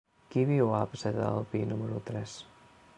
Qui viu a la placeta del Pi número tres?